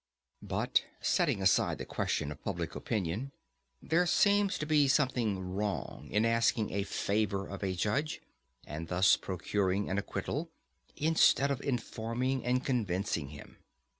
But, setting aside the question of public opinion, there seems to be something wrong in asking a favour of a judge, and thus procuring an acquittal, instead of informing and convincing him.